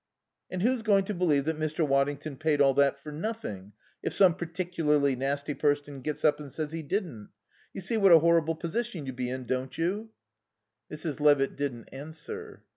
"And who's going to believe that Mr. Waddington paid all that for nothing, if some particularly nasty person gets up and says he didn't? You see what a horrible position you'd be in, don't you?" Mrs. Levitt didn't answer.